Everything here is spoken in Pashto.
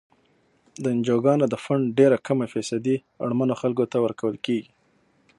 د انجوګانو د فنډ ډیره کمه فیصدي اړمنو خلکو ته ورکول کیږي.